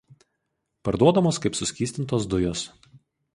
Parduodamos kaip suskystintos dujos.